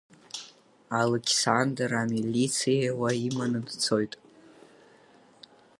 Алықьсандр амилициауаа иманы дцоит.